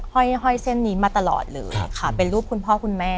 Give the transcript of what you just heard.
ห้อยเส้นนี้มาตลอดเลยค่ะเป็นรูปคุณพ่อคุณแม่